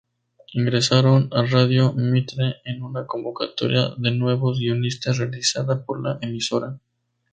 Ingresaron a Radio Mitre en una convocatoria de nuevos guionistas realizada por la emisora.